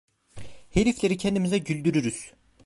Herifleri kendimize güldürürüz!